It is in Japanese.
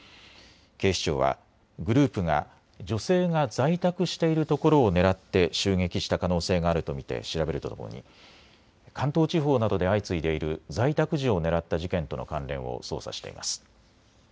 警視庁はグループが女性が在宅しているところを狙って襲撃した可能性があると見て調べるとともに関東地方などで相次いでいる在宅時を狙った事件との関連を捜査しています。